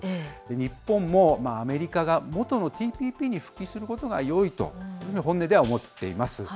日本もアメリカが元のＴＰＰに復帰することがよいと、本音では思っています。